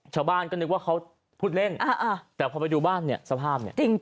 ชาวบ้านก็นึกว่าเขาพูดเล่นแต่พอไปดูบ้านสภาพ